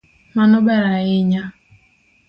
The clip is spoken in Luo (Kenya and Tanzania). Mano ber ahinya.